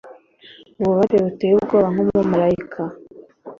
ububabare buteye ubwoba nkumumarayika